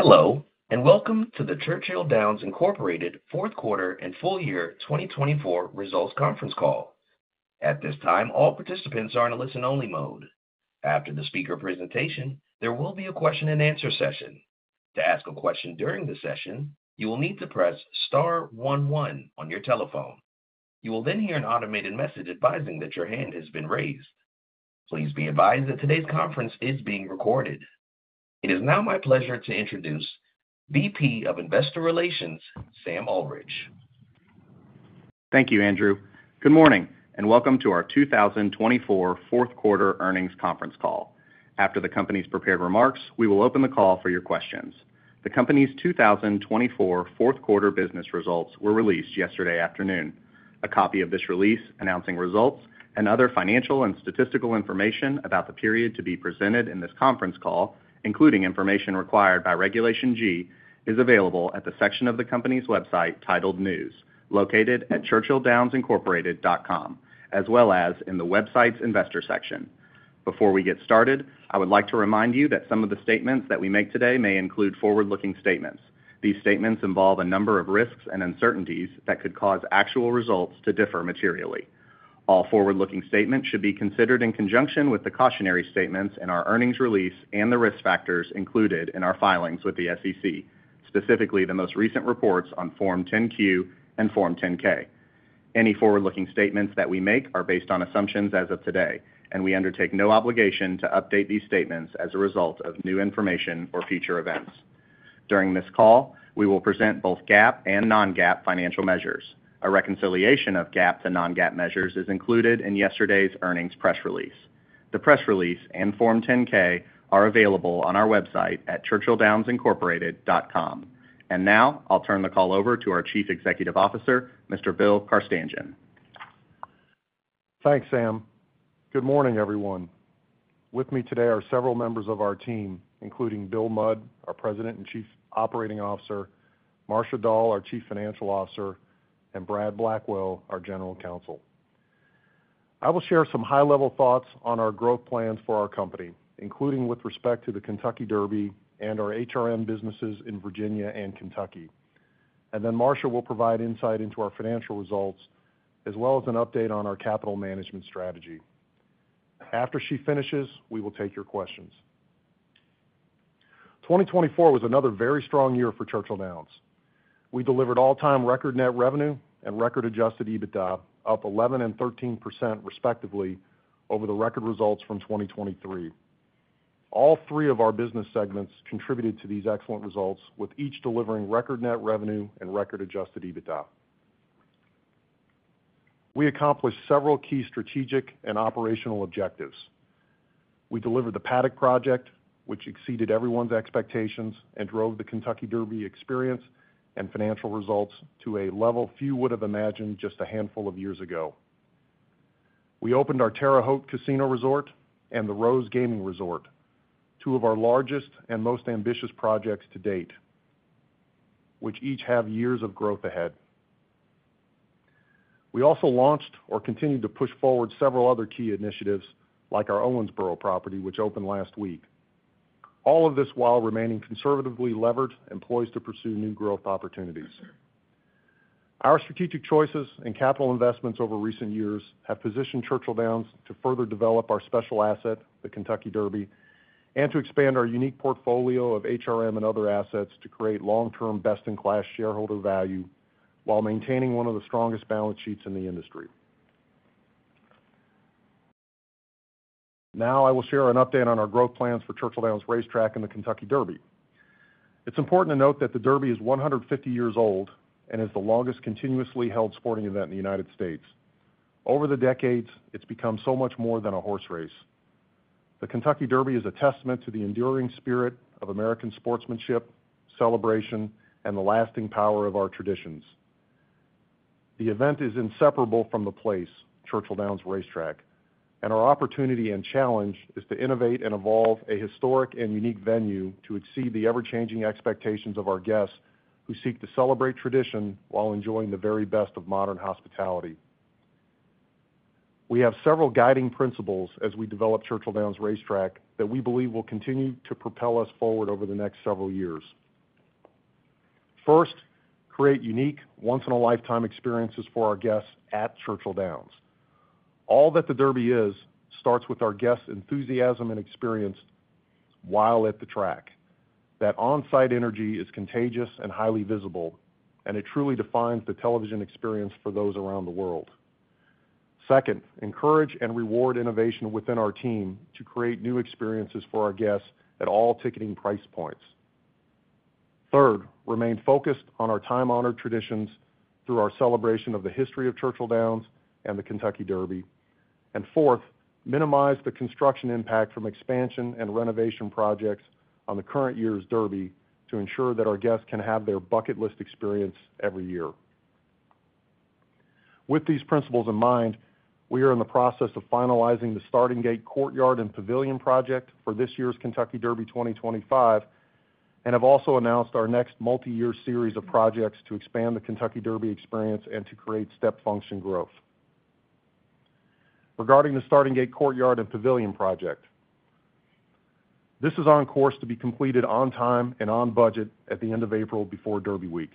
Hello, and welcome to the Churchill Downs Incorporated Q4 and Full Year 2024 Results Conference Call. At this time, all participants are in a listen-only mode. After the speaker presentation, there will be a question-and-answer session. To ask a question during the session, you will need to press star one one on your telephone. You will then hear an automated message advising that your hand has been raised. Please be advised that today's conference is being recorded. It is now my pleasure to introduce VP of Investor Relations, Sam Ullrich. Thank you, Andrew. Good morning, and welcome to our 2024 Q4 Earnings Conference Call. After the company's prepared remarks, we will open the call for your questions. The company's 2024 Q4 business results were released yesterday afternoon. A copy of this release announcing results and other financial and statistical information about the period to be presented in this conference call, including information required by Regulation G, is available at the section of the company's website titled News, located at ChurchillDownsIncorporated.com, as well as in the website's investors section. Before we get started, I would like to remind you that some of the statements that we make today may include forward-looking statements. These statements involve a number of risks and uncertainties that could cause actual results to differ materially. All forward-looking statements should be considered in conjunction with the cautionary statements in our earnings release and the risk factors included in our filings with the SEC, specifically the most recent reports on Form 10-Q and Form 10-K. Any forward-looking statements that we make are based on assumptions as of today, and we undertake no obligation to update these statements as a result of new information or future events. During this call, we will present both GAAP and non-GAAP financial measures. A reconciliation of GAAP to non-GAAP measures is included in yesterday's earnings press release. The press release and Form 10-K are available on our website at ChurchillDownsIncorporated.com. Now, I'll turn the call over to our Chief Executive Officer, Mr. Bill Carstanjen. Thanks, Sam. Good morning, everyone. With me today are several members of our team, including Bill Mudd, our President and Chief Operating Officer, Marcia Dall, our Chief Financial Officer, and Brad Blackwell, our General Counsel. I will share some high-level thoughts on our growth plans for our company, including with respect to the Kentucky Derby and our HRM businesses in Virginia and Kentucky. And then Marcia will provide insight into our financial results, as well as an update on our capital management strategy. After she finishes, we will take your questions. 2024 was another very strong year for Churchill Downs. We delivered all-time record net revenue and record Adjusted EBITDA, up 11% and 13% respectively, over the record results from 2023. All three of our business segments contributed to these excellent results, with each delivering record net revenue and record Adjusted EBITDA. We accomplished several key strategic and operational objectives. We delivered the Paddock Project, which exceeded everyone's expectations and drove the Kentucky Derby experience and financial results to a level few would have imagined just a handful of years ago. We opened our Terre Haute Casino Resort and the Rose Gaming Resort, two of our largest and most ambitious projects to date, which each have years of growth ahead. We also launched or continue to push forward several other key initiatives, like our Owensboro property, which opened last week. All of this while remaining conservatively levered and poised to pursue new growth opportunities. Our strategic choices and capital investments over recent years have positioned Churchill Downs to further develop our special asset, the Kentucky Derby, and to expand our unique portfolio of HRM and other assets to create long-term best-in-class shareholder value while maintaining one of the strongest balance sheets in the industry. Now, I will share an update on our growth plans for Churchill Downs Racetrack and the Kentucky Derby. It's important to note that the Derby is 150 years old and is the longest continuously held sporting event in the United States. Over the decades, it's become so much more than a horse race. The Kentucky Derby is a testament to the enduring spirit of American sportsmanship, celebration, and the lasting power of our traditions. The event is inseparable from the place, Churchill Downs Racetrack, and our opportunity and challenge is to innovate and evolve a historic and unique venue to exceed the ever-changing expectations of our guests who seek to celebrate tradition while enjoying the very best of modern hospitality. We have several guiding principles as we develop Churchill Downs Racetrack that we believe will continue to propel us forward over the next several years. First, create unique, once-in-a-lifetime experiences for our guests at Churchill Downs. All that the Derby is starts with our guests' enthusiasm and experience while at the track. That on-site energy is contagious and highly visible, and it truly defines the television experience for those around the world. Second, encourage and reward innovation within our team to create new experiences for our guests at all ticketing price points. Third, remain focused on our time-honored traditions through our celebration of the history of Churchill Downs and the Kentucky Derby. And fourth, minimize the construction impact from expansion and renovation projects on the current year's Derby to ensure that our guests can have their bucket list experience every year. With these principles in mind, we are in the process of finalizing the Starting Gate Courtyard and Pavilion project for this year's Kentucky Derby 2025 and have also announced our next multi-year series of projects to expand the Kentucky Derby experience and to create step function growth. Regarding the Starting Gate Courtyard and Pavilion project, this is on course to be completed on time and on budget at the end of April before Derby Week.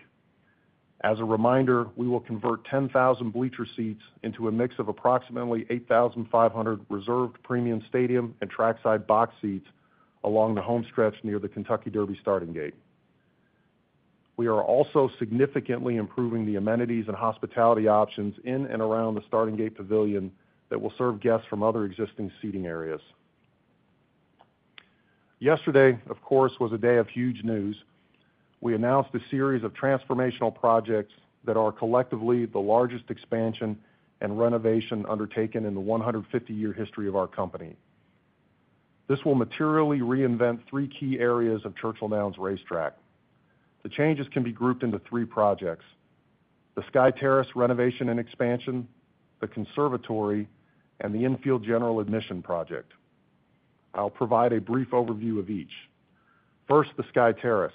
As a reminder, we will convert 10,000 bleacher seats into a mix of approximately 8,500 reserved premium stadium and trackside box seats along the home stretch near the Kentucky Derby starting gate. We are also significantly improving the amenities and hospitality options in and around the starting gate pavilion that will serve guests from other existing seating areas. Yesterday, of course, was a day of huge news. We announced a series of transformational projects that are collectively the largest expansion and renovation undertaken in the 150-year history of our company. This will materially reinvent three key areas of Churchill Downs Racetrack. The changes can be grouped into three projects: the Sky Terrace renovation and expansion, the Conservatory, and the infield general admission project. I'll provide a brief overview of each. First, the Sky Terrace.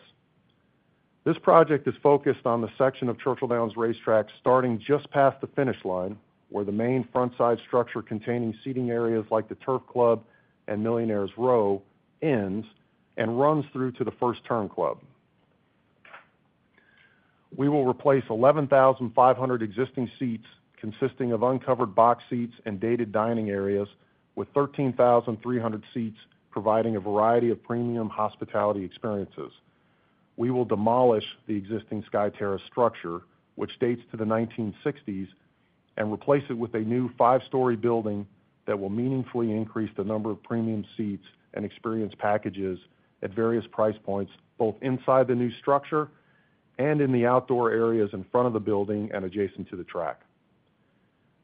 This project is focused on the section of Churchill Downs Racetrack starting just past the finish line, where the main frontside structure containing seating areas like the Turf Club and Millionaires Row ends and runs through to the First Turn Club. We will replace 11,500 existing seats consisting of uncovered box seats and dated dining areas with 13,300 seats providing a variety of premium hospitality experiences. We will demolish the existing Sky Terrace structure, which dates to the 1960s, and replace it with a new five-story building that will meaningfully increase the number of premium seats and experience packages at various price points, both inside the new structure and in the outdoor areas in front of the building and adjacent to the track.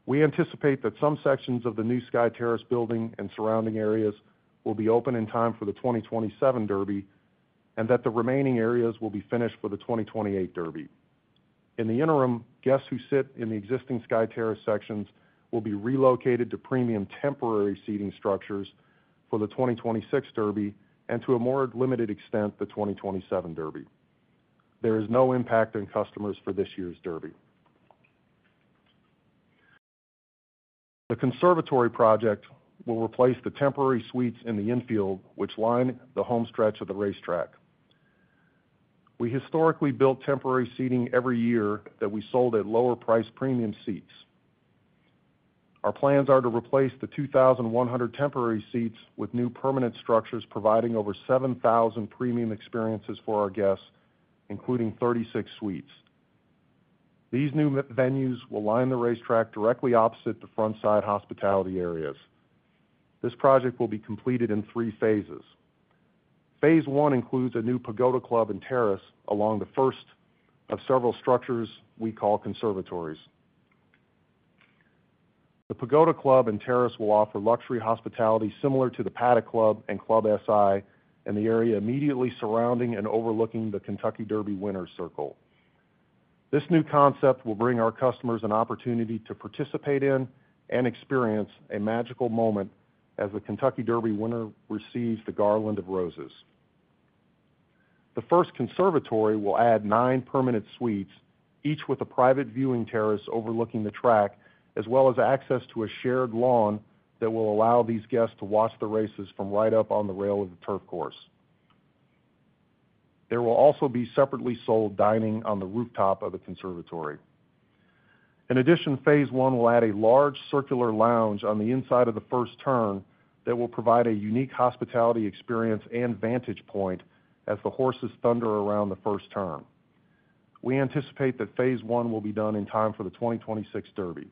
We anticipate that some sections of the new Sky Terrace building and surrounding areas will be open in time for the 2027 Derby and that the remaining areas will be finished for the 2028 Derby. In the interim, guests who sit in the existing Sky Terrace sections will be relocated to premium temporary seating structures for the 2026 Derby and, to a more limited extent, the 2027 Derby. There is no impact on customers for this year's Derby. The Conservatory project will replace the temporary suites in the infield, which line the home stretch of the racetrack. We historically built temporary seating every year that we sold at lower-priced premium seats. Our plans are to replace the 2,100 temporary seats with new permanent structures providing over 7,000 premium experiences for our guests, including 36 suites. These new venues will line the racetrack directly opposite the frontside hospitality areas. This project will be completed in three phases. Phase one includes a new Pagoda Club and Terrace along the first of several structures we call Conservatories. The Pagoda Club and Terrace will offer luxury hospitality similar to the Paddock Club and Club SI in the area immediately surrounding and overlooking the Kentucky Derby winner's circle. This new concept will bring our customers an opportunity to participate in and experience a magical moment as the Kentucky Derby winner receives the Garland of Roses. The first Conservatory will add nine permanent suites, each with a private viewing terrace overlooking the track, as well as access to a shared lawn that will allow these guests to watch the races from right up on the rail of the turf course. There will also be separately sold dining on the rooftop of the Conservatory. In addition, phase one will add a large circular lounge on the inside of the first turn that will provide a unique hospitality experience and vantage point as the horses thunder around the first turn. We anticipate that phase one will be done in time for the 2026 Derby.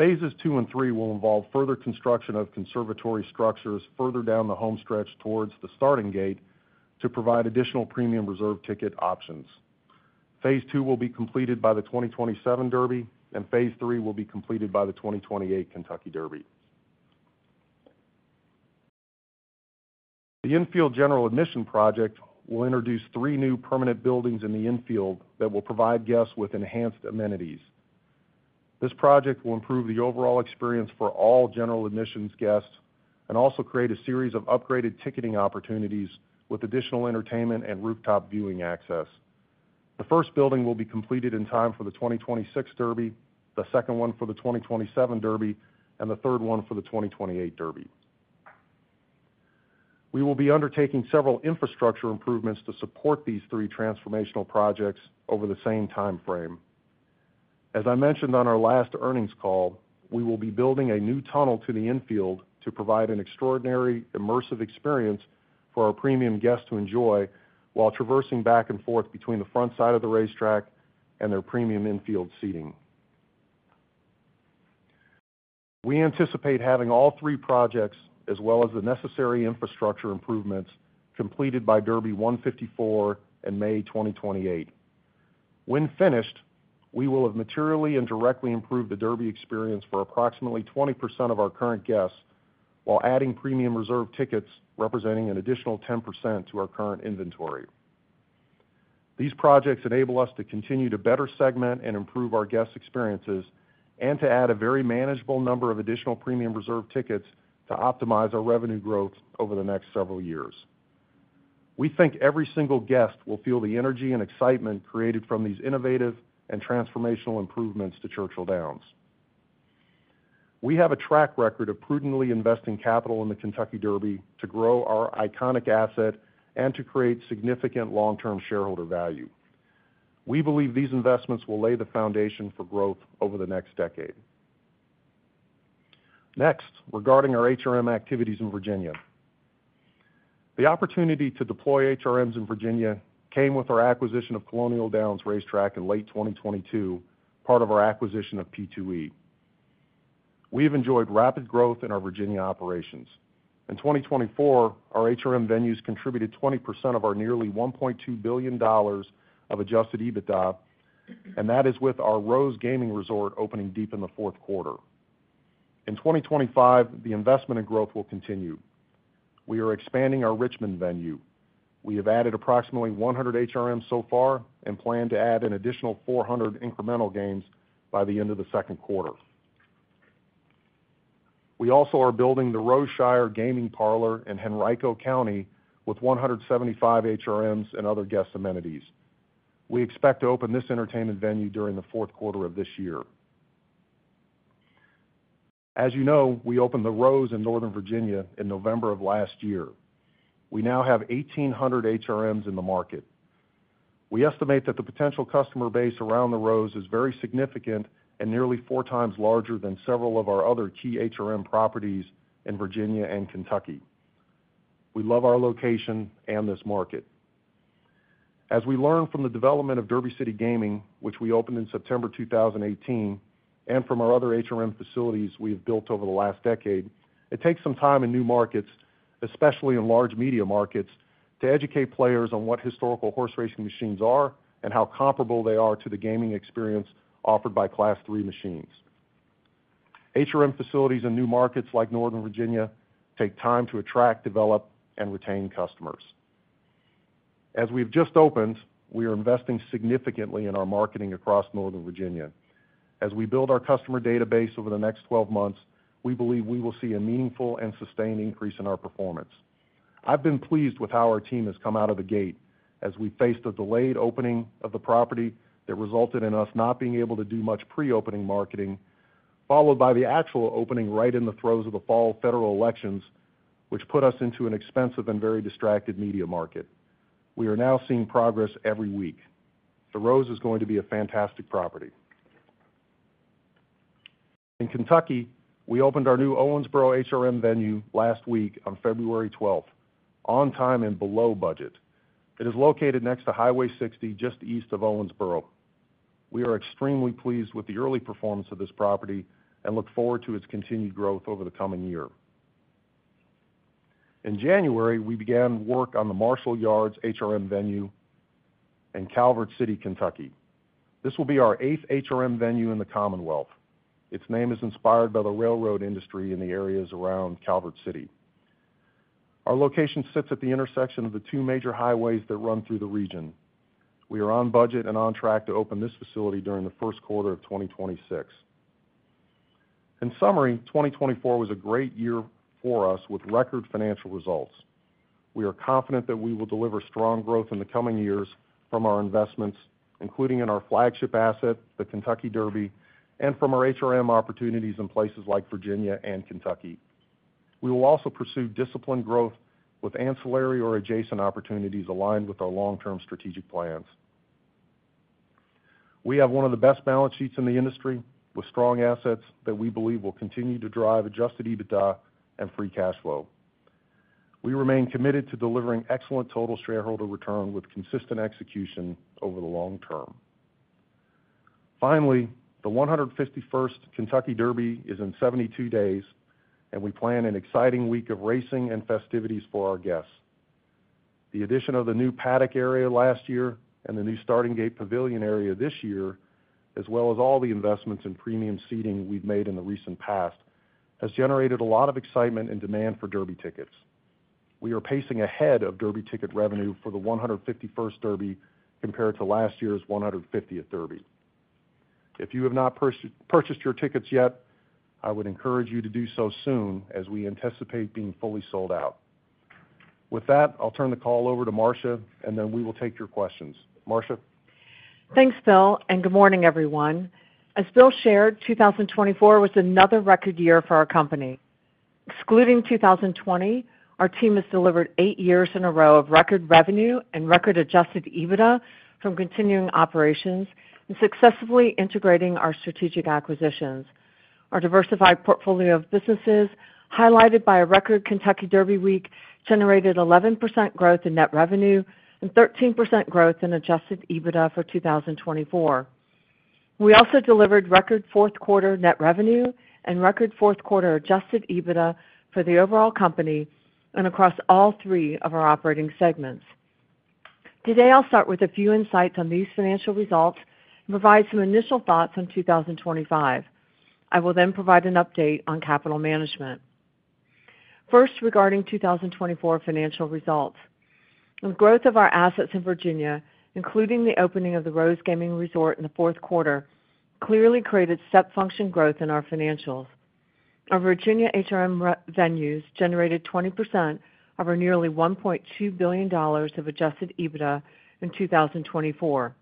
Phases two and three will involve further construction of Conservatory structures further down the home stretch towards the starting gate to provide additional premium reserve ticket options. Phase two will be completed by the 2027 Derby, and Phase three will be completed by the 2028 Kentucky Derby. The infield general admission project will introduce three new permanent buildings in the infield that will provide guests with enhanced amenities. This project will improve the overall experience for all general admissions guests and also create a series of upgraded ticketing opportunities with additional entertainment and rooftop viewing access. The first building will be completed in time for the 2026 Derby, the second one for the 2027 Derby, and the third one for the 2028 Derby. We will be undertaking several infrastructure improvements to support these three transformational projects over the same time frame. As I mentioned on our last earnings call, we will be building a new tunnel to the infield to provide an extraordinary immersive experience for our premium guests to enjoy while traversing back and forth between the frontside of the racetrack and their premium infield seating. We anticipate having all three projects, as well as the necessary infrastructure improvements, completed by Derby 154 in May 2028. When finished, we will have materially and directly improved the Derby experience for approximately 20% of our current guests while adding premium reserve tickets representing an additional 10% to our current inventory. These projects enable us to continue to better segment and improve our guest experiences and to add a very manageable number of additional premium reserve tickets to optimize our revenue growth over the next several years. We think every single guest will feel the energy and excitement created from these innovative and transformational improvements to Churchill Downs. We have a track record of prudently investing capital in the Kentucky Derby to grow our iconic asset and to create significant long-term shareholder value. We believe these investments will lay the foundation for growth over the next decade. Next, regarding our HRM activities in Virginia, the opportunity to deploy HRMs in Virginia came with our acquisition of Colonial Downs Racetrack in late 2022, part of our acquisition of P2E. We have enjoyed rapid growth in our Virginia operations. In 2024, our HRM venues contributed 20% of our nearly $1.2 billion of Adjusted EBITDA, and that is with our Rose Gaming Resort opening deep in the Q4. In 2025, the investment and growth will continue. We are expanding our Richmond venue. We have added approximately 100 HRMs so far and plan to add an additional 400 incremental games by the end of the Q2. We also are building the Roseshire Gaming Parlor in Henrico County with 175 HRMs and other guest amenities. We expect to open this entertainment venue during the Q4 of this year. As you know, we opened the Rose in Northern Virginia in November of last year. We now have 1,800 HRMs in the market. We estimate that the potential customer base around the Rose is very significant and nearly four times larger than several of our other key HRM properties in Virginia and Kentucky. We love our location and this market. As we learn from the development of Derby City Gaming, which we opened in September 2018, and from our other HRM facilities we have built over the last decade, it takes some time in new markets, especially in large media markets, to educate players on what historical horse racing machines are and how comparable they are to the gaming experience offered by Class III machines. HRM facilities in new markets like Northern Virginia take time to attract, develop, and retain customers. As we have just opened, we are investing significantly in our marketing across Northern Virginia. As we build our customer database over the next 12 months, we believe we will see a meaningful and sustained increase in our performance. I've been pleased with how our team has come out of the gate as we faced a delayed opening of the property that resulted in us not being able to do much pre-opening marketing, followed by the actual opening right in the throes of the fall federal elections, which put us into an expensive and very distracted media market. We are now seeing progress every week. The Rose is going to be a fantastic property. In Kentucky, we opened our new Owensboro HRM venue last week on February 12th, on time and below budget. It is located next to Highway 60, just east of Owensboro. We are extremely pleased with the early performance of this property and look forward to its continued growth over the coming year. In January, we began work on the Marshall Yards HRM venue in Calvert City, Kentucky. This will be our eighth HRM venue in the Commonwealth. Its name is inspired by the railroad industry in the areas around Calvert City. Our location sits at the intersection of the two major highways that run through the region. We are on budget and on track to open this facility during the Q1 of 2026. In summary, 2024 was a great year for us with record financial results. We are confident that we will deliver strong growth in the coming years from our investments, including in our flagship asset, the Kentucky Derby, and from our HRM opportunities in places like Virginia and Kentucky. We will also pursue disciplined growth with ancillary or adjacent opportunities aligned with our long-term strategic plans. We have one of the best balance sheets in the industry with strong assets that we believe will continue to drive adjusted EBITDA and free cash flow. We remain committed to delivering excellent total shareholder return with consistent execution over the long term. Finally, the 151st Kentucky Derby is in 72 days, and we plan an exciting week of racing and festivities for our guests. The addition of the new paddock area last year and the new Starting Gate Pavilion area this year, as well as all the investments in premium seating we've made in the recent past, has generated a lot of excitement and demand for Derby tickets. We are pacing ahead of Derby ticket revenue for the 151st Derby compared to last year's 150th Derby. If you have not purchased your tickets yet, I would encourage you to do so soon as we anticipate being fully sold out. With that, I'll turn the call over to Marcia, and then we will take your questions. Marcia? Thanks, Bill, and good morning, everyone. As Bill shared, 2024 was another record year for our company. Excluding 2020, our team has delivered eight years in a row of record revenue and record Adjusted EBITDA from continuing operations and successfully integrating our strategic acquisitions. Our diversified portfolio of businesses, highlighted by a record Kentucky Derby week, generated 11% growth in net revenue and 13% growth in Adjusted EBITDA for 2024. We also delivered record Q4 net revenue and record Q4 Adjusted EBITDA for the overall company and across all three of our operating segments. Today, I'll start with a few insights on these financial results and provide some initial thoughts on 2025. I will then provide an update on capital management. First, regarding 2024 financial results, the growth of our assets in Virginia, including the opening of the Rose Gaming Resort in the Q4, clearly created step function growth in our financials. Our Virginia HRM venues generated 20% of our nearly $1.2 billion of adjusted EBITDA in 2024.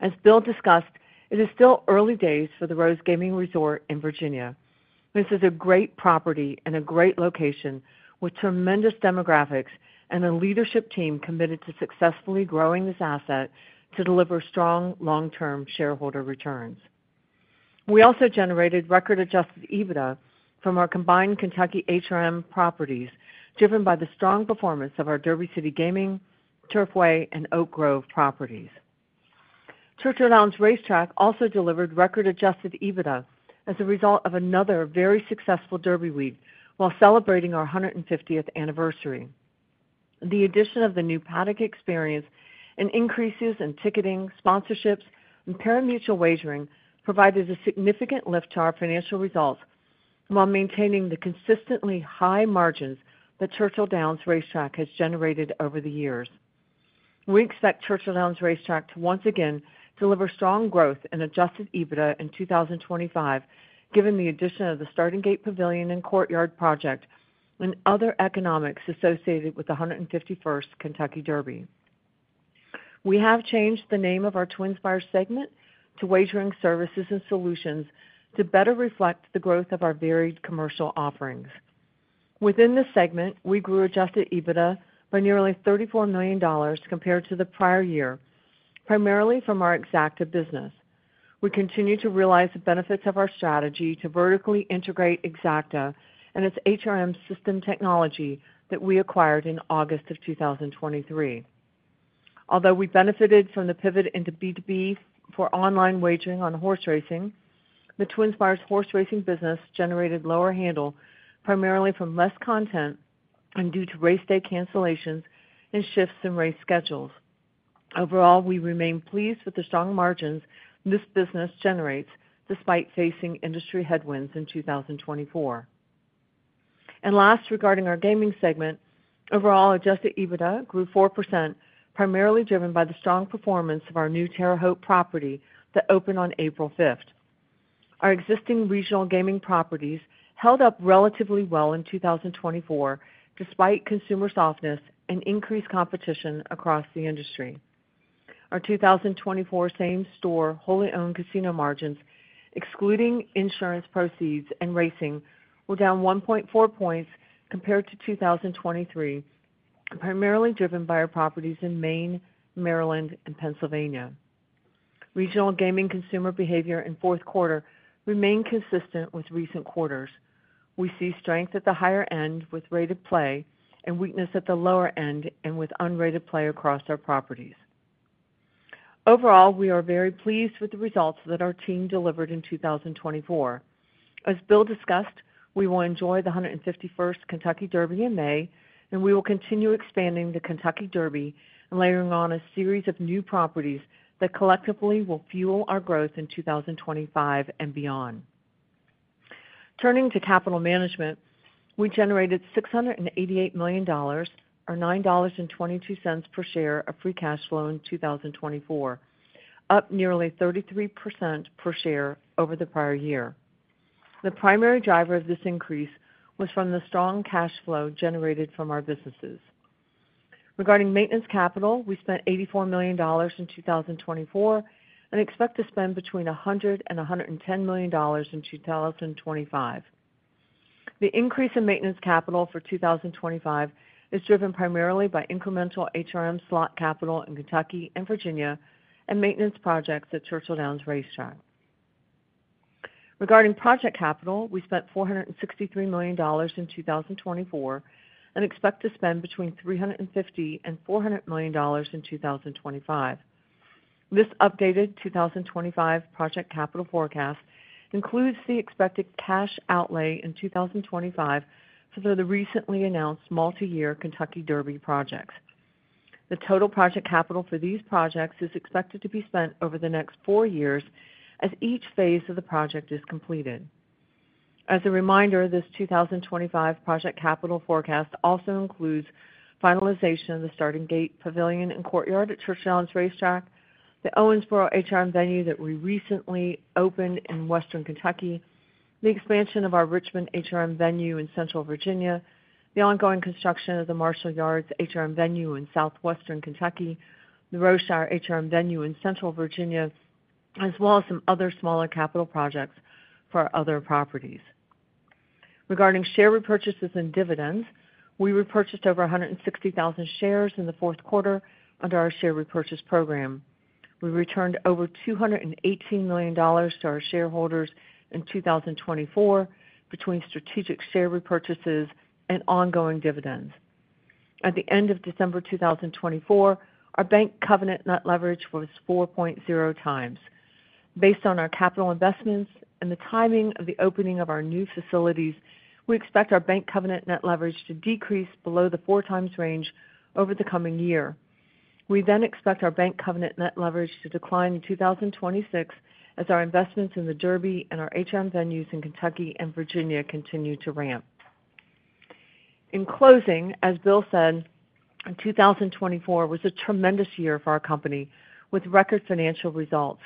As Bill discussed, it is still early days for the Rose Gaming Resort in Virginia. This is a great property and a great location with tremendous demographics and a leadership team committed to successfully growing this asset to deliver strong long-term shareholder returns. We also generated record adjusted EBITDA from our combined Kentucky HRM properties driven by the strong performance of our Derby City Gaming, Turfway, and Oak Grove properties. Churchill Downs Racetrack also delivered record adjusted EBITDA as a result of another very successful Derby week while celebrating our 150th anniversary. The addition of the new paddock experience and increases in ticketing, sponsorships, and pari-mutuel wagering provided a significant lift to our financial results while maintaining the consistently high margins that Churchill Downs Racetrack has generated over the years. We expect Churchill Downs Racetrack to once again deliver strong growth in Adjusted EBITDA in 2025, given the addition of the Starting Gate Pavilion and Courtyard project and other economics associated with the 151st Kentucky Derby. We have changed the name of our TwinSpires segment to Wagering Services and Solutions to better reflect the growth of our varied commercial offerings. Within this segment, we grew Adjusted EBITDA by nearly $34 million compared to the prior year, primarily from our Exacta business. We continue to realize the benefits of our strategy to vertically integrate Exacta and its HRM system technology that we acquired in August of 2023. Although we benefited from the pivot into B2B for online wagering on horse racing, the TwinSpires' horse racing business generated lower handle, primarily from less content and due to race day cancellations and shifts in race schedules. Overall, we remain pleased with the strong margins this business generates despite facing industry headwinds in 2024. And last, regarding our gaming segment, overall Adjusted EBITDA grew 4%, primarily driven by the strong performance of our new Terre Haute property that opened on April 5th. Our existing regional gaming properties held up relatively well in 2024, despite consumer softness and increased competition across the industry. Our 2024 same-store wholly-owned casino margins, excluding insurance proceeds and racing, were down 1.4 points compared to 2023, primarily driven by our properties in Maine, Maryland, and Pennsylvania. Regional gaming consumer behavior in Q4 remained consistent with recent quarters. We see strength at the higher end with rated play and weakness at the lower end and with unrated play across our properties. Overall, we are very pleased with the results that our team delivered in 2024. As Bill discussed, we will enjoy the 151st Kentucky Derby in May, and we will continue expanding the Kentucky Derby and layering on a series of new properties that collectively will fuel our growth in 2025 and beyond. Turning to capital management, we generated $688 million, or $9.22 per share, of free cash flow in 2024, up nearly 33% per share over the prior year. The primary driver of this increase was from the strong cash flow generated from our businesses. Regarding maintenance capital, we spent $84 million in 2024 and expect to spend between $100 and $110 million in 2025. The increase in maintenance capital for 2025 is driven primarily by incremental HRM slot capital in Kentucky and Virginia and maintenance projects at Churchill Downs Racetrack. Regarding project capital, we spent $463 million in 2024 and expect to spend between $350 and 400 million in 2025. This updated 2025 project capital forecast includes the expected cash outlay in 2025 for the recently announced multi-year Kentucky Derby projects. The total project capital for these projects is expected to be spent over the next four years as each phase of the project is completed. As a reminder, this 2025 project capital forecast also includes finalization of the Starting Gate Pavilion and Courtyard at Churchill Downs Racetrack, the Owensboro HRM venue that we recently opened in Western Kentucky, the expansion of our Richmond HRM venue in Central Virginia, the ongoing construction of the Marshall Yards HRM venue in southwestern Kentucky, the Roseshire HRM venue in Central Virginia, as well as some other smaller capital projects for our other properties. Regarding share repurchases and dividends, we repurchased over 160,000 shares in the Q4 under our share repurchase program. We returned over $218 million to our shareholders in 2024 between strategic share repurchases and ongoing dividends. At the end of December 2024, our Bank Covenant Net Leverage was 4.0 times. Based on our capital investments and the timing of the opening of our new facilities, we expect our Bank Covenant Net Leverage to decrease below the four times range over the coming year. We then expect our Bank Covenant Net Leverage to decline in 2026 as our investments in the Derby and our HRM venues in Kentucky and Virginia continue to ramp. In closing, as Bill said, 2024 was a tremendous year for our company with record financial results,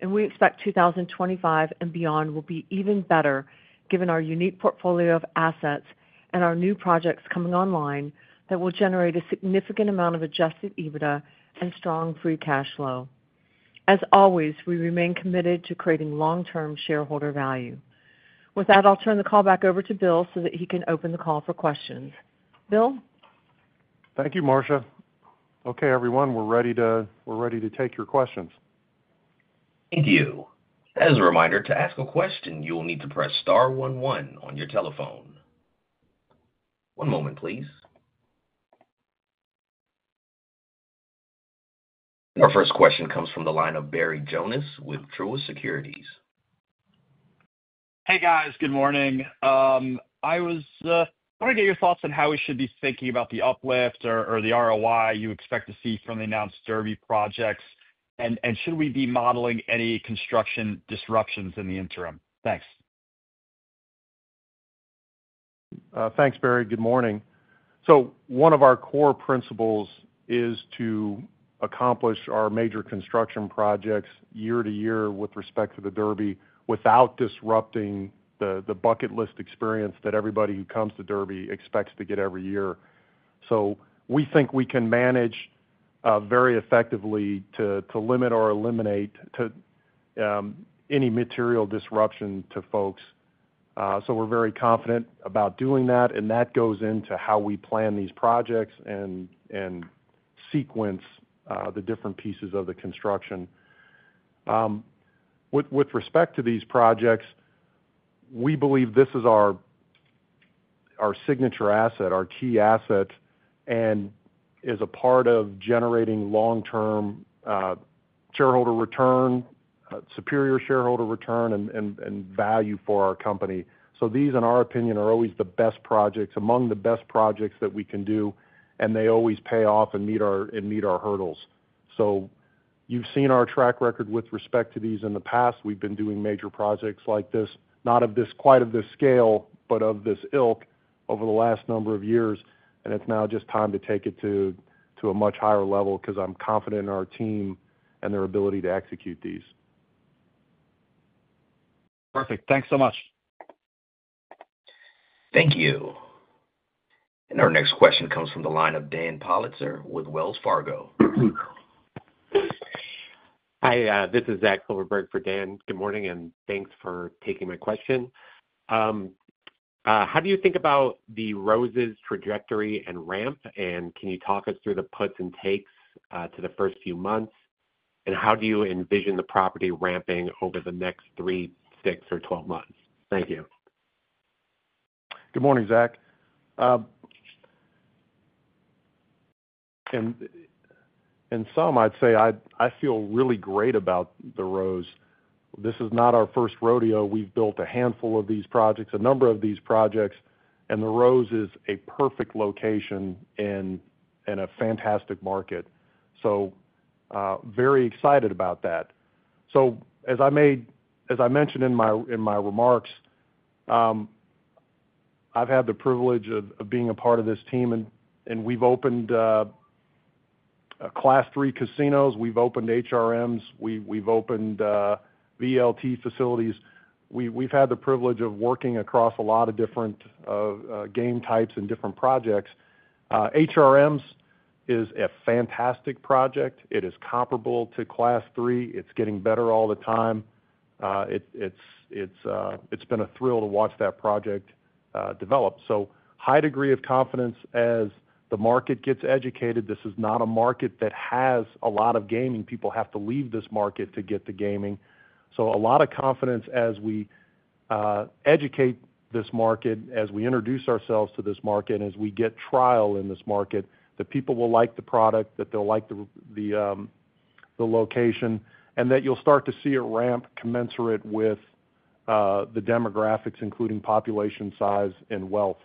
and we expect 2025 and beyond will be even better given our unique portfolio of assets and our new projects coming online that will generate a significant amount of Adjusted EBITDA and strong free cash flow. As always, we remain committed to creating long-term shareholder value. With that, I'll turn the call back over to Bill so that he can open the call for questions. Bill? Thank you, Marcia. Okay, everyone, we're ready to take your questions. Thank you. [Operator Instructions] Our first question comes from the line of Barry Jonas with Truist Securities. Hey, guys. Good morning. I want to get your thoughts on how we should be thinking about the uplift or the ROI you expect to see from the announced Derby projects, and should we be modeling any construction disruptions in the interim? Thanks. Thanks, Barry. Good morning. One of our core principles is to accomplish our major construction projects year to year with respect to the Derby without disrupting the bucket list experience that everybody who comes to Derby expects to get every year. We think we can manage very effectively to limit or eliminate any material disruption to folks. We're very confident about doing that, and that goes into how we plan these projects and sequence the different pieces of the construction. With respect to these projects, we believe this is our signature asset, our key asset, and is a part of generating long-term shareholder return, superior shareholder return, and value for our company. These, in our opinion, are always the best projects, among the best projects that we can do, and they always pay off and meet our hurdles. So you've seen our track record with respect to these in the past. We've been doing major projects like this, not quite of this scale, but of this ilk over the last number of years, and it's now just time to take it to a much higher level because I'm confident in our team and their ability to execute these. Perfect. Thanks so much. Thank you. And our next question comes from the line of Dan Politzer with Wells Fargo. Hi, this is Zach Silverberg for Dan. Good morning, and thanks for taking my question. How do you think about the Rose's trajectory and ramp, and can you talk us through the puts and takes to the first few months, and how do you envision the property ramping over the next three, six, or 12 months? Thank you. Good morning, Zach. In sum, I'd say I feel really great about the Rose. This is not our first rodeo. We've built a handful of these projects, a number of these projects, and the Rose is a perfect location and a fantastic market. So very excited about that. So as I mentioned in my remarks, I've had the privilege of being a part of this team, and we've opened Class III casinos. We've opened HRMs. We've opened VLT facilities. We've had the privilege of working across a lot of different game types and different projects. HRMs is a fantastic project. It is comparable to Class III. It's getting better all the time. It's been a thrill to watch that project develop. So high degree of confidence as the market gets educated. This is not a market that has a lot of gaming. People have to leave this market to get the gaming. So a lot of confidence as we educate this market, as we introduce ourselves to this market, and as we get trial in this market, that people will like the product, that they'll like the location, and that you'll start to see it ramp commensurate with the demographics, including population size and wealth.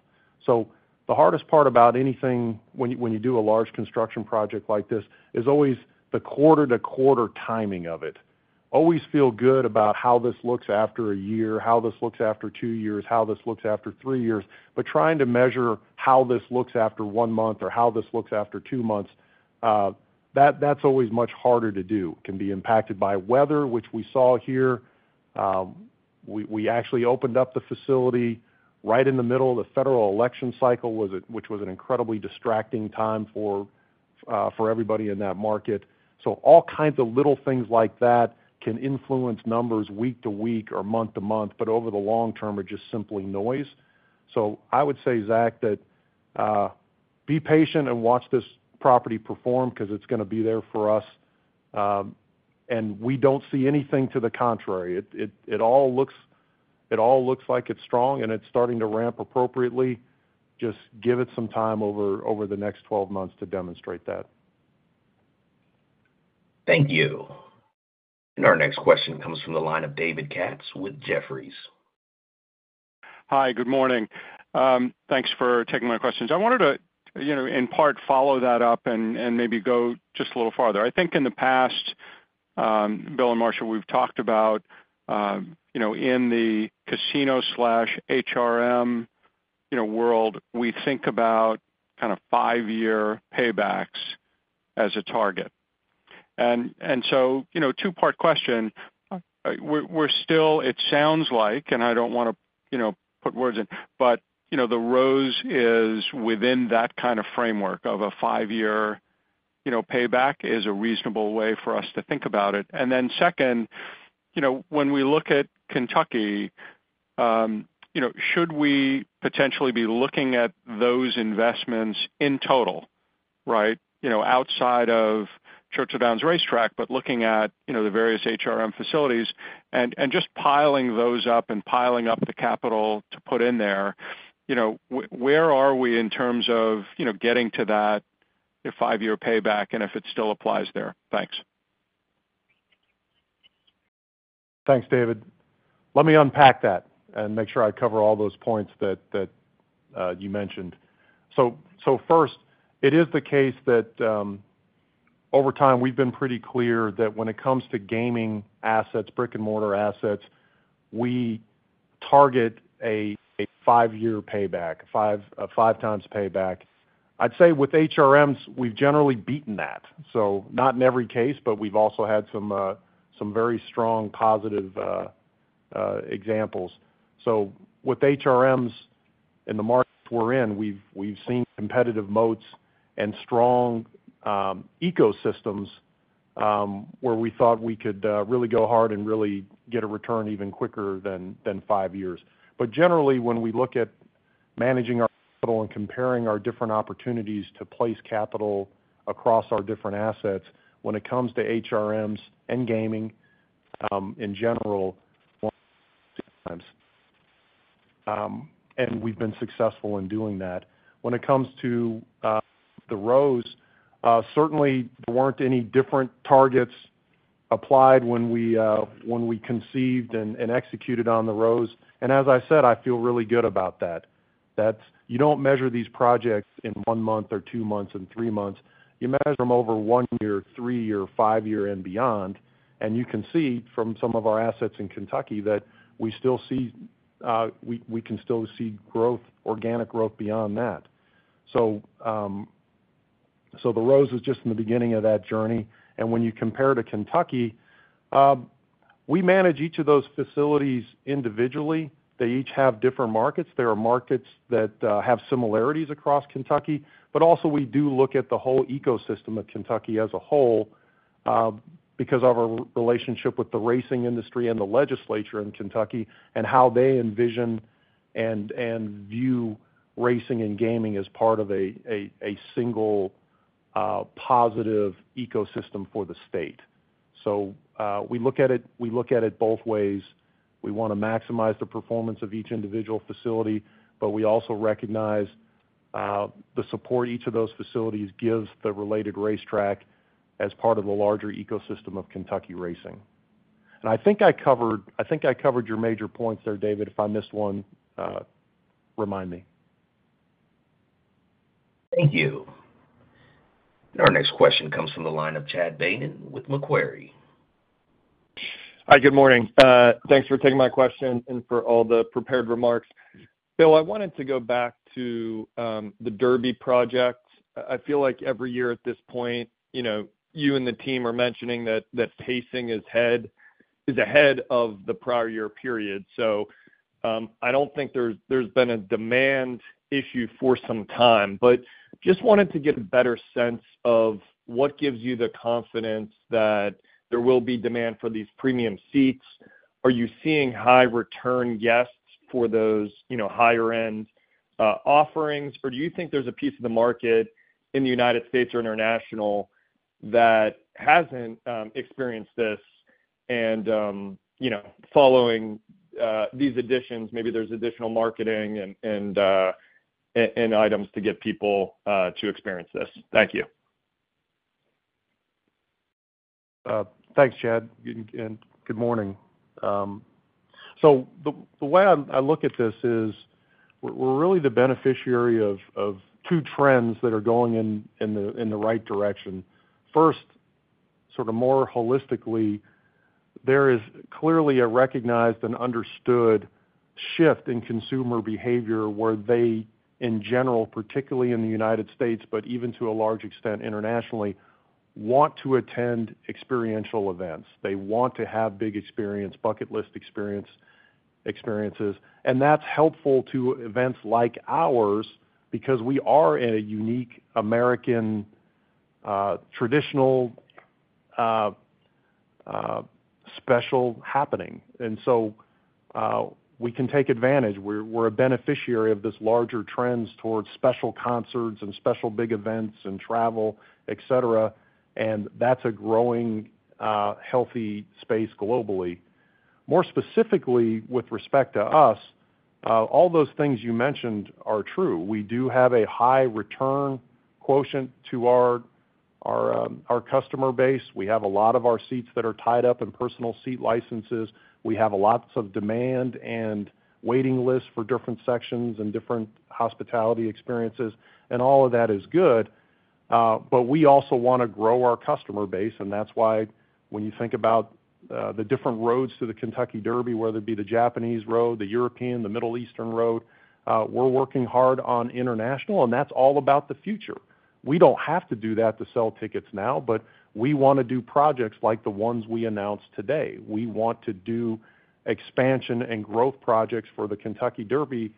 So the hardest part about anything when you do a large construction project like this is always the quarter-to-quarter timing of it. Always feel good about how this looks after a year, how this looks after two years, how this looks after three years. But trying to measure how this looks after one month or how this looks after two months, that's always much harder to do. It can be impacted by weather, which we saw here. We actually opened up the facility right in the middle of the federal election cycle, which was an incredibly distracting time for everybody in that market. So all kinds of little things like that can influence numbers week to week or month to month, but over the long term, it just simply noise. So I would say, Zach, that be patient and watch this property perform because it's going to be there for us. And we don't see anything to the contrary. It all looks like it's strong, and it's starting to ramp appropriately. Just give it some time over the next twelve months to demonstrate that. Thank you. And our next question comes from the line of David Katz with Jefferies. Hi, good morning. Thanks for taking my questions. I wanted to, in part, follow that up and maybe go just a little farther. I think in the past, Bill and Marcia, we've talked about in the casino/HRM world, we think about kind of five-year paybacks as a target. So two-part question. It sounds like, and I don't want to put words in, but The Rose is within that kind of framework of a five-year payback is a reasonable way for us to think about it? Then second, when we look at Kentucky, should we potentially be looking at those investments in total, right, outside of Churchill Downs Racetrack, but looking at the various HRM facilities and just piling those up and piling up the capital to put in there? Where are we in terms of getting to that five-year payback and if it still applies there? Thanks. Thanks, David. Let me unpack that and make sure I cover all those points that you mentioned. So first, it is the case that over time, we've been pretty clear that when it comes to gaming assets, brick-and-mortar assets, we target a five-year payback, a five-times payback. I'd say with HRMs, we've generally beaten that. So not in every case, but we've also had some very strong positive examples. So with HRMs in the markets we're in, we've seen competitive moats and strong ecosystems where we thought we could really go hard and really get a return even quicker than five years. But generally, when we look at managing our capital and comparing our different opportunities to place capital across our different assets, when it comes to HRMs and gaming in general, we've been successful in doing that. When it comes to the Rose, certainly there weren't any different targets applied when we conceived and executed on the Rose.As I said, I feel really good about that. You don't measure these projects in one month or two months and three months. You measure them over one year, three year, five year, and beyond. You can see from some of our assets in Kentucky that we can still see organic growth beyond that. The Rose is just in the beginning of that journey. When you compare to Kentucky, we manage each of those facilities individually. They each have different markets. There are markets that have similarities across Kentucky. We also look at the whole ecosystem of Kentucky as a whole because of our relationship with the racing industry and the legislature in Kentucky and how they envision and view racing and gaming as part of a single positive ecosystem for the state. We look at it both ways. We want to maximize the performance of each individual facility, but we also recognize the support each of those facilities gives the related racetrack as part of the larger ecosystem of Kentucky racing. And I think I covered your major points there, David. If I missed one, remind me. Thank you. And our next question comes from the line of Chad Beynon with Macquarie. Hi, good morning. Thanks for taking my question and for all the prepared remarks. Bill, I wanted to go back to the Derby project. I feel like every year at this point, you and the team are mentioning that pacing is ahead of the prior year period. So I don't think there's been a demand issue for some time, but just wanted to get a better sense of what gives you the confidence that there will be demand for these premium seats? Are you seeing high return guests for those higher-end offerings, or do you think there's a piece of the market in the United States or international that hasn't experienced this? And following these additions, maybe there's additional marketing and items to get people to experience this. Thank you. Thanks, Chad. And good morning. So the way I look at this is we're really the beneficiary of two trends that are going in the right direction. First, sort of more holistically, there is clearly a recognized and understood shift in consumer behavior where they, in general, particularly in the United States, but even to a large extent internationally, want to attend experiential events. They want to have big experience, bucket list experiences. And that's helpful to events like ours because we are in a unique American traditional special happening. And so we can take advantage. We're a beneficiary of this larger trend towards special concerts and special big events and travel, etc., and that's a growing healthy space globally. More specifically, with respect to us, all those things you mentioned are true. We do have a high return quotient to our customer base. We have a lot of our seats that are tied up in personal seat licenses. We have lots of demand and waiting lists for different sections and different hospitality experiences, and all of that is good, but we also want to grow our customer base, and that's why when you think about the different roads to the Kentucky Derby, whether it be the Japanese Road, the European, the Middle Eastern Road, we're working hard on international, and that's all about the future. We don't have to do that to sell tickets now, but we want to do projects like the ones we announced today. We want to do expansion and growth projects for the Kentucky Derby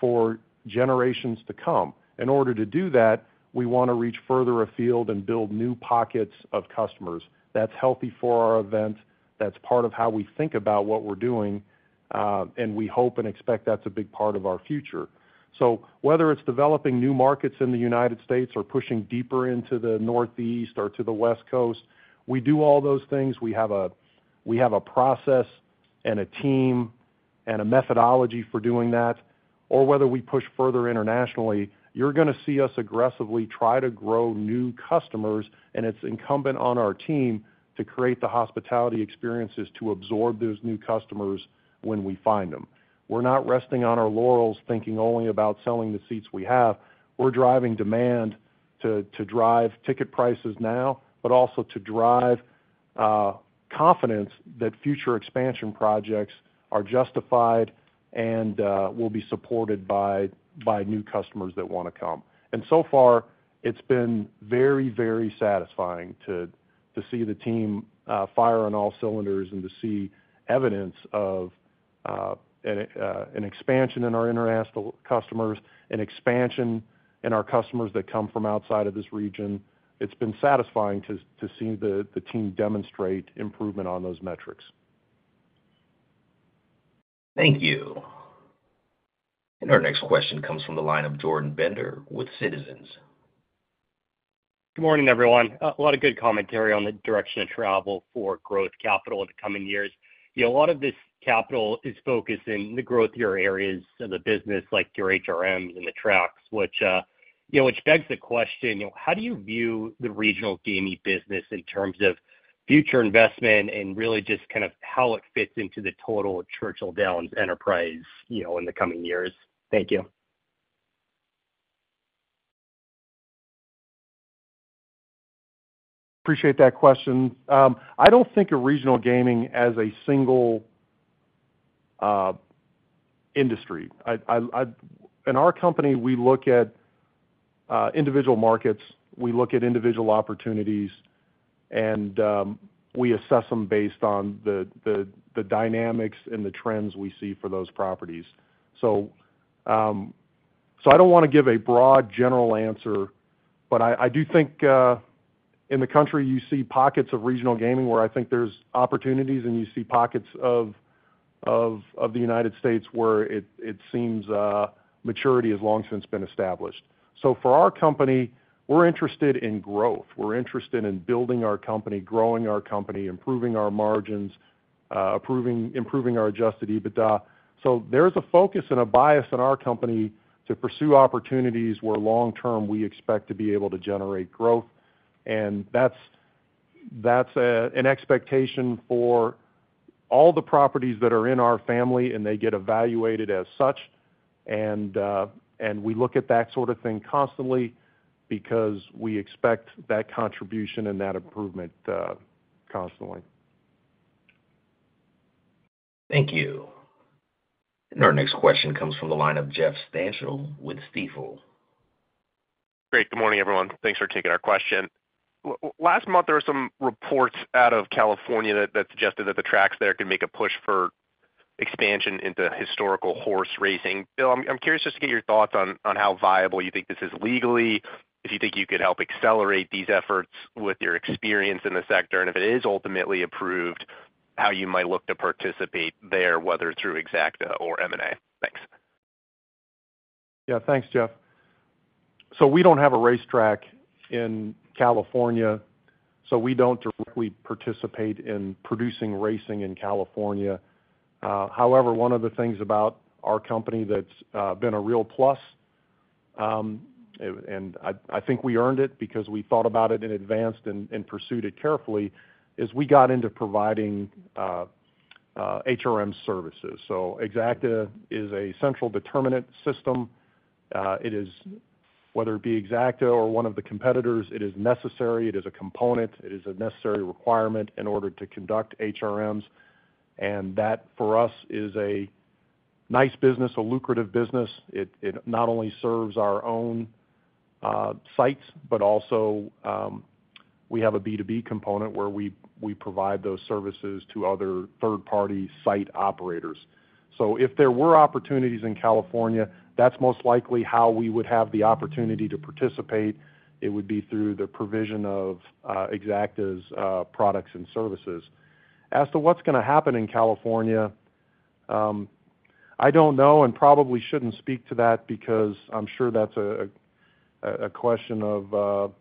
for generations to come. In order to do that, we want to reach further afield and build new pockets of customers. That's healthy for our event. That's part of how we think about what we're doing, and we hope and expect that's a big part of our future, so whether it's developing new markets in the United States or pushing deeper into the Northeast or to the West Coast, we do all those things. We have a process and a team and a methodology for doing that, or whether we push further internationally, you're going to see us aggressively try to grow new customers. It's incumbent on our team to create the hospitality experiences to absorb those new customers when we find them. We're not resting on our laurels thinking only about selling the seats we have. We're driving demand to drive ticket prices now, but also to drive confidence that future expansion projects are justified and will be supported by new customers that want to come. And so far, it's been very, very satisfying to see the team fire on all cylinders and to see evidence of an expansion in our international customers, an expansion in our customers that come from outside of this region. It's been satisfying to see the team demonstrate improvement on those metrics. Thank you. Our next question comes from the line of Jordan Bender with Citizens. Good morning, everyone. A lot of good commentary on the direction of travel for growth capital in the coming years. A lot of this capital is focused in the growth of your areas of the business, like your HRMs and the tracks, which begs the question, how do you view the regional gaming business in terms of future investment and really just kind of how it fits into the total Churchill Downs enterprise in the coming years? Thank you. Appreciate that question. I don't think of regional gaming as a single industry. In our company, we look at individual markets. We look at individual opportunities, and we assess them based on the dynamics and the trends we see for those properties. So I don't want to give a broad general answer, but I do think in the country, you see pockets of regional gaming where I think there's opportunities, and you see pockets of the United States where it seems maturity has long since been established. So for our company, we're interested in growth. We're interested in building our company, growing our company, improving our margins, improving our Adjusted EBITDA. So there's a focus and a bias in our company to pursue opportunities where long-term we expect to be able to generate growth. And that's an expectation for all the properties that are in our family, and they get evaluated as such. And we look at that sort of thing constantly because we expect that contribution and that improvement constantly. Thank you. And our next question comes from the line of Jeff Stantial with Stifel. Great. Good morning, everyone. Thanks for taking our question. Last month, there were some reports out of California that suggested that the tracks there could make a push for expansion into historical horse racing. Bill, I'm curious just to get your thoughts on how viable you think this is legally, if you think you could help accelerate these efforts with your experience in the sector, and if it is ultimately approved, how you might look to participate there, whether through Exacta or M&A. Thanks. Yeah. Thanks, Jeff. So we don't have a racetrack in California, so we don't directly participate in producing racing in California. However, one of the things about our company that's been a real plus, and I think we earned it because we thought about it in advance and pursued it carefully, is we got into providing HRM services. So Exacta is a central determinant system. Whether it be Exacta or one of the competitors, it is necessary. It is a component. It is a necessary requirement in order to conduct HRMs. That, for us, is a nice business, a lucrative business. It not only serves our own sites, but also we have a B2B component where we provide those services to other third-party site operators. If there were opportunities in California, that's most likely how we would have the opportunity to participate. It would be through the provision of Exacta's products and services. As to what's going to happen in California, I don't know and probably shouldn't speak to that because I'm sure that's a question of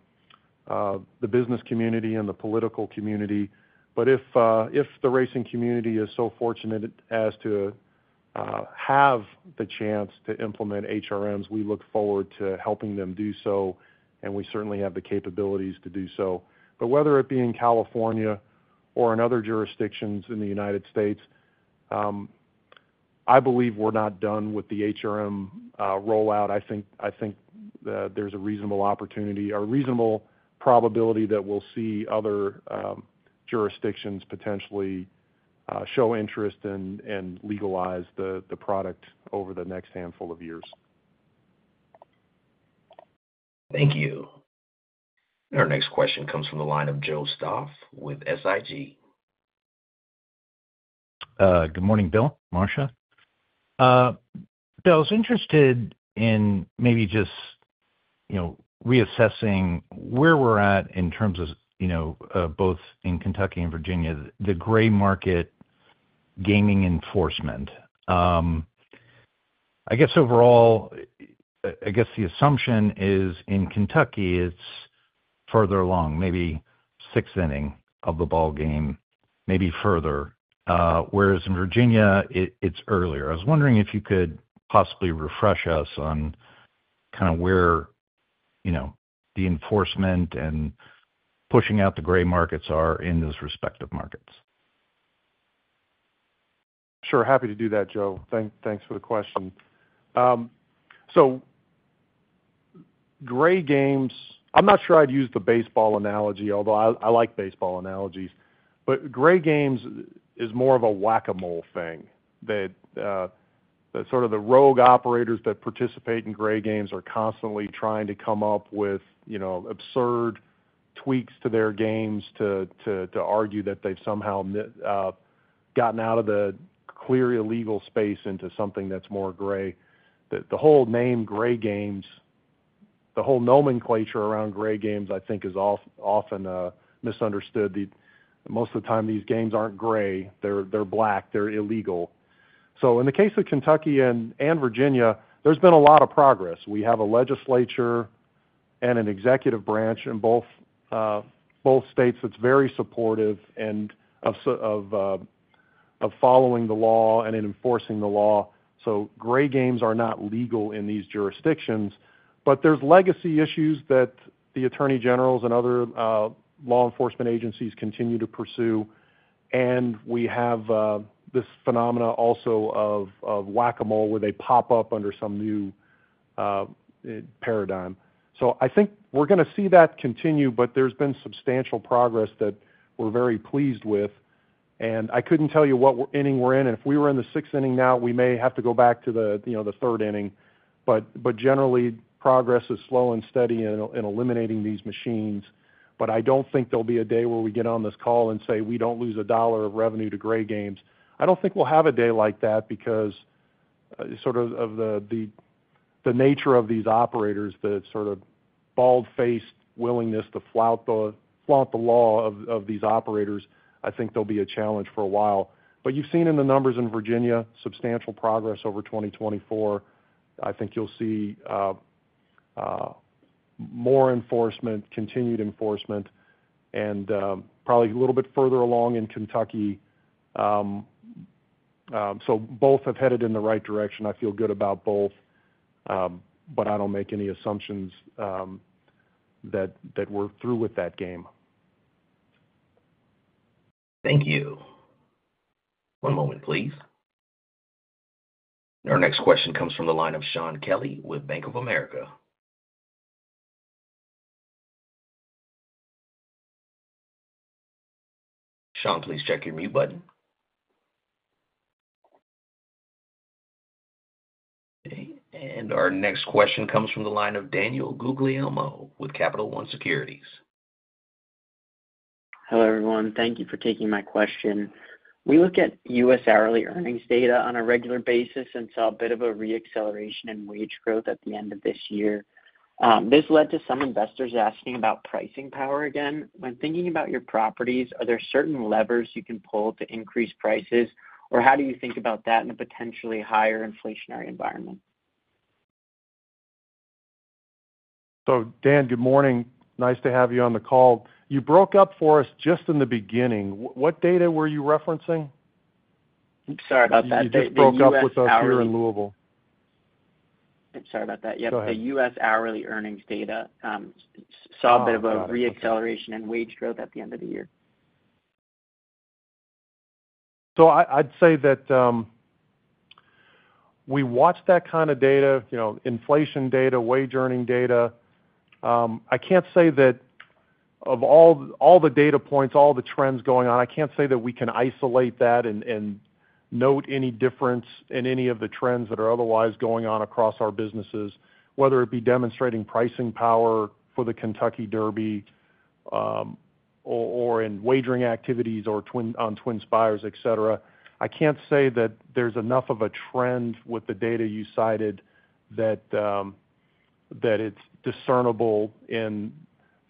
the business community and the political community. If the racing community is so fortunate as to have the chance to implement HRMs, we look forward to helping them do so. We certainly have the capabilities to do so. But whether it be in California or in other jurisdictions in the United States, I believe we're not done with the HRM rollout. I think there's a reasonable opportunity or reasonable probability that we'll see other jurisdictions potentially show interest and legalize the product over the next handful of years. Thank you. And our next question comes from the line of Joe Stauff with SIG. Good morning, Bill, Marcia. Bill, I was interested in maybe just reassessing where we're at in terms of both in Kentucky and Virginia, the gray market gaming enforcement. I guess overall, I guess the assumption is in Kentucky, it's further along, maybe sixth inning of the ballgame, maybe further. Whereas in Virginia, it's earlier. I was wondering if you could possibly refresh us on kind of where the enforcement and pushing out the gray markets are in those respective markets? Sure. Happy to do that, Joe. Thanks for the question. So gray games, I'm not sure I'd use the baseball analogy, although I like baseball analogies. But gray games is more of a Whack-A-Mole thing. Sort of the rogue operators that participate in gray games are constantly trying to come up with absurd tweaks to their games to argue that they've somehow gotten out of the clear illegal space into something that's more gray. The whole name gray games, the whole nomenclature around gray games, I think, is often misunderstood. Most of the time, these games aren't gray. They're black. They're illegal. So in the case of Kentucky and Virginia, there's been a lot of progress. We have a legislature and an executive branch in both states that's very supportive and of following the law and enforcing the law. So gray games are not legal in these jurisdictions. But there's legacy issues that the attorneys general and other law enforcement agencies continue to pursue. And we have this phenomenon also of Whack-A-Mole where they pop up under some new paradigm. So I think we're going to see that continue, but there's been substantial progress that we're very pleased with. And I couldn't tell you what inning we're in. And if we were in the sixth inning now, we may have to go back to the third inning. But generally, progress is slow and steady in eliminating these machines. But I don't think there'll be a day where we get on this call and say, "We don't lose a dollar of revenue to gray games." I don't think we'll have a day like that because sort of the nature of these operators, the sort of bald-faced willingness to flaunt the law of these operators, I think there'll be a challenge for a while. But you've seen in the numbers in Virginia substantial progress over 2024. I think you'll see more enforcement, continued enforcement, and probably a little bit further along in Kentucky. So both have headed in the right direction. I feel good about both. But I don't make any assumptions that we're through with that game. Thank you. One moment, please. And our next question comes from the line of Shaun Kelley with Bank of America. Shaun, please check your mute button. And our next question comes from the line of Daniel Guglielmo with Capital One Securities. Hello, everyone. Thank you for taking my question. We look at U.S. hourly earnings data on a regular basis and saw a bit of a re-acceleration in wage growth at the end of this year. This led to some investors asking about pricing power again. When thinking about your properties, are there certain levers you can pull to increase prices, or how do you think about that in a potentially higher inflationary environment? So Dan, good morning. Nice to have you on the call. You broke up for us just in the beginning. What data were you referencing? I'm sorry about that. You just broke up with us. You're in [Louisville / audio distortion]. I'm sorry about that. Yep. The U.S. hourly earnings data saw a bit of a reacceleration in wage growth at the end of the year. So I'd say that we watch that kind of data, inflation data, wage earning data. I can't say that of all the data points, all the trends going on, I can't say that we can isolate that and note any difference in any of the trends that are otherwise going on across our businesses, whether it be demonstrating pricing power for the Kentucky Derby or in wagering activities or on TwinSpires, etc. I can't say that there's enough of a trend with the data you cited that it's discernible in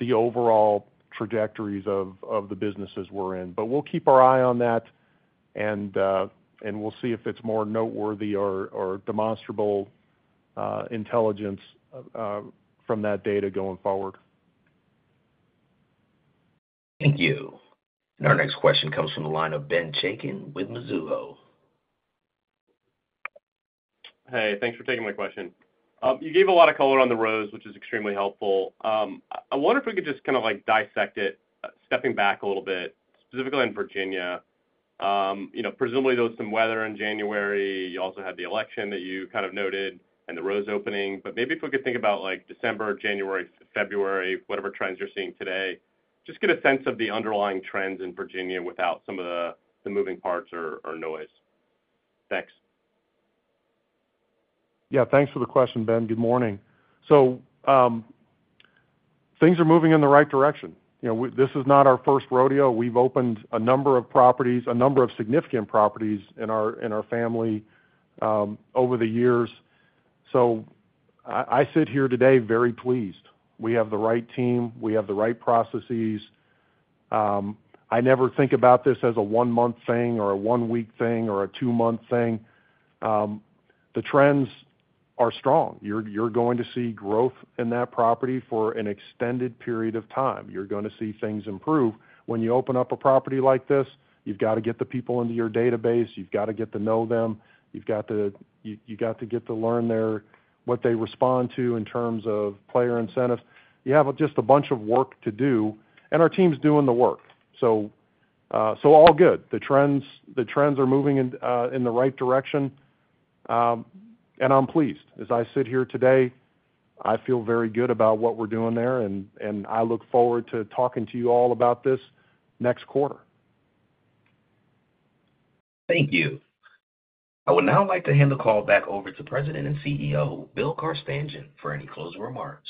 the overall trajectories of the businesses we're in, but we'll keep our eye on that, and we'll see if it's more noteworthy or demonstrable intelligence from that data going forward. Thank you. And our next question comes from the line of Ben Chacon with Mizuho. Hey, thanks for taking my question. You gave a lot of color on the Rose, which is extremely helpful. I wonder if we could just kind of dissect it, stepping back a little bit, specifically in Virginia. Presumably, there was some weather in January. You also had the election that you kind of noted and the Rose opening. But maybe if we could think about December, January, February, whatever trends you're seeing today, just get a sense of the underlying trends in Virginia without some of the moving parts or noise? Thanks. Yeah. Thanks for the question, Ben. Good morning. So things are moving in the right direction. This is not our first rodeo. We've opened a number of properties, a number of significant properties in our family over the years. So I sit here today very pleased. We have the right team. We have the right processes. I never think about this as a one-month thing or a one-week thing or a two-month thing. The trends are strong. You're going to see growth in that property for an extended period of time. You're going to see things improve. When you open up a property like this, you've got to get the people into your database. You've got to get to know them. You've got to get to learn what they respond to in terms of player incentives. You have just a bunch of work to do. And our team's doing the work. So all good. The trends are moving in the right direction. And I'm pleased. As I sit here today, I feel very good about what we're doing there. And I look forward to talking to you all about this next quarter. Thank you. I would now like to hand the call back over to President and CEO Bill Carstanjen for any closing remarks.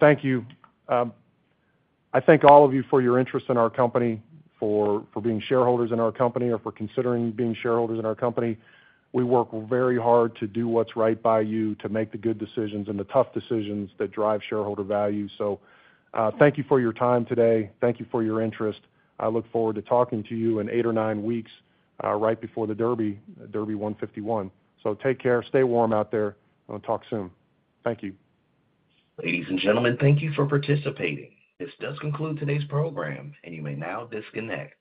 Thank you. I thank all of you for your interest in our company, for being shareholders in our company, or for considering being shareholders in our company. We work very hard to do what's right by you to make the good decisions and the tough decisions that drive shareholder value. So thank you for your time today. Thank you for your interest. I look forward to talking to you in eight or nine weeks right before the Derby, Derby 151. So take care. Stay warm out there. I'll talk soon. Thank you. Ladies and gentlemen, thank you for participating. This does conclude today's program, and you may now disconnect.